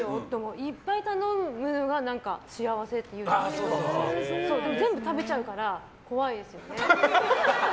いっぱい頼むのが幸せって言うんですけどでも全部食べちゃうから怖いですよね。